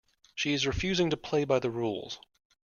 She is refusing to play by the rules.